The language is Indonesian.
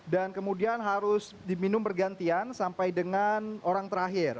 dan kemudian harus diminum bergantian sampai dengan orang terakhir